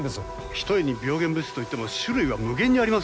ひとえに病原物質といっても種類は無限にありますよ。